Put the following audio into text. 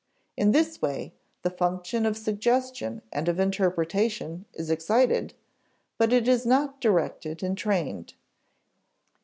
In this way, the function of suggestion and of interpretation is excited, but it is not directed and trained.